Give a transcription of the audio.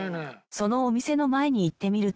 そのお店の前に行ってみると。